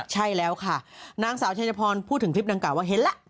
ใช่แล้วค่ะนางสาวชายพรพูดถึงคลิปดังกล่าว่าเห็นแล้ว